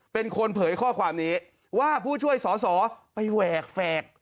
เป็นคนเผยข้อความนี้ว่าผู้ช่วยสอสอไปแหวกแฝก